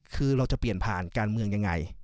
คือเราจะเปลี่ยนผ่านการเมืองยังไง